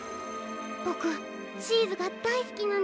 ボクチーズがだいすきなんだ。